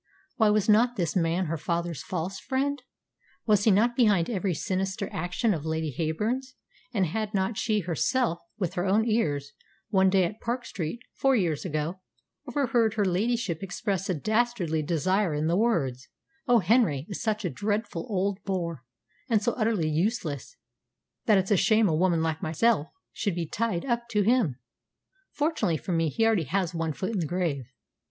Why, was not this man her father's false friend? Was he not behind every sinister action of Lady Heyburn's, and had not she herself, with her own ears, one day at Park Street, four years ago, overheard her ladyship express a dastardly desire in the words, "Oh, Henry is such a dreadful old bore, and so utterly useless, that it's a shame a woman like myself should be tied up to him. Fortunately for me, he already has one foot in the grave.